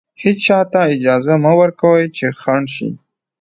هېچا ته اجازه مه ورکوئ چې خنډ شي.